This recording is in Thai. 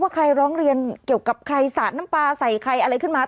ใครร้องเรียนเกี่ยวกับใครสาดน้ำปลาใส่ใครอะไรขึ้นมา